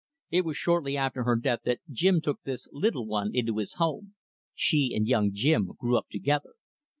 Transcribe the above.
It was shortly after her death that Jim took this little one into his home. She and young Jim grew up together.